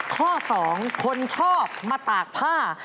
ข้อ๒คนชอบมาตากผ้า